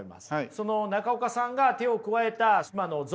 その中岡さんが手を加えた今のゾウ。